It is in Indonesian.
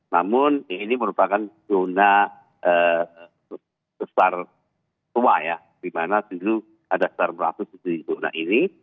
namun ini merupakan zona besar tua ya dimana dulu ada star meratus di zona ini